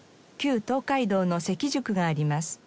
旧東海道の関宿があります。